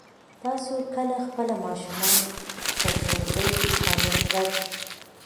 تاسو کله خپل ماشومان په ښوونځي کې شامل کړل؟